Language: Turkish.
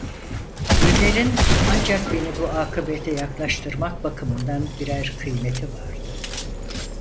Günlerin, ancak beni bu akıbete yaklaştırmak bakımından birer kıymeti vardı.